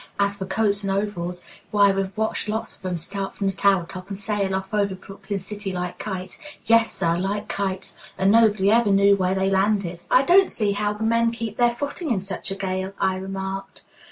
As for coats and overalls, why, we've watched lots of 'em start from the tower top and sail off over Brooklyn city like kites yes, sir, like kites; and nobody ever knew where they landed." "I don't see how the men keep their footing in such a gale," I remarked.